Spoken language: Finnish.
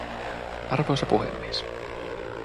Arvoisa puhemies